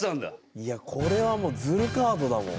いやこれはもうズルカードだもん。